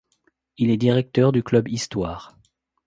Il est directeur du Club histoire.